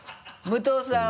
武藤さん